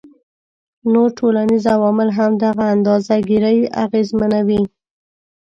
نور ټولنیز عوامل هم دغه اندازه ګيرۍ اغیزمنوي